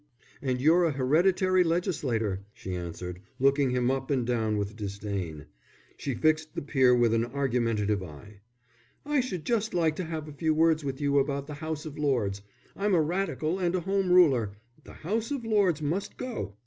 "And you're a hereditary legislator," she answered, looking him up and down with disdain. She fixed the peer with an argumentative eye. "I should just like to have a few words with you about the House of Lords. I'm a Radical and a Home Ruler. The House of Lords must go."